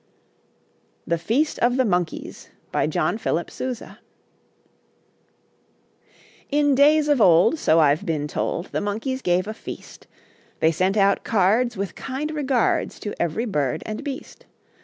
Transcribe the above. THE FEAST OF THE MONKEYS BY JOHN PHILIP SOUSA In days of old, So I've been told, The monkeys gave a feast. They sent out cards, With kind regards, To every bird and beast.